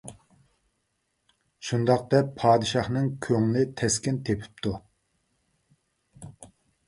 شۇنداق دەپ، پادىشاھنىڭ كۆڭلى تەسكىن تېپىپتۇ.